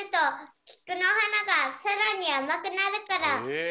へえ！